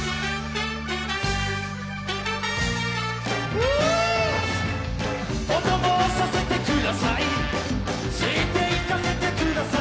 お供をさせてください。